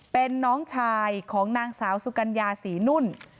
เป็นน้องชายของนางสาวสุกัญญาศรีนุ่น